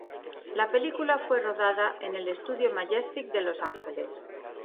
La película fue rodada en el estudio Majestic de Los Ángeles.